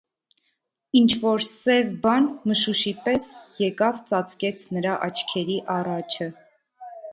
Ինչ-որ սև բան, մշուշի պես, եկավ ծածկեց նրա աչքերի առաջը: